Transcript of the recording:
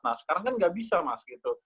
nah sekarang kan nggak bisa mas gitu